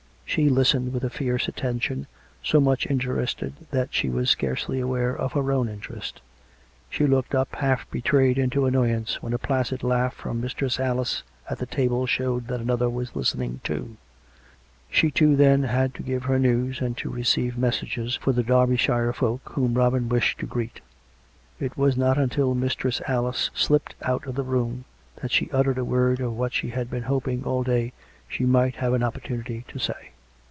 She listened with a fierce attention, so much interested that she was scarcely aware of her own interest; she looked up, half betrayed into an noyance, when a placid laugli from Mistress Alice at the table showed that another was listening too. She too, then, had to give her news, and to receive mes 178 COME RACK! COME ROPE! sages for the Derbyshire folk whom Robin wished to greet ; and it was not until Mistress Alice slipped out of the room that she uttered a word of what she had been hoping all day she might have an opportunity to say.